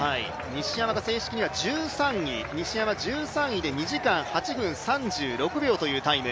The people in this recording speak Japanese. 西山が正式には１３位で２時間８分３６秒というタイム。